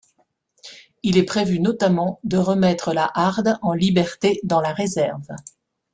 Il est prévu notamment de remettre la harde en liberté dans la réserve.